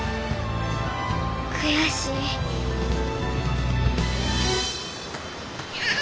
悔しい。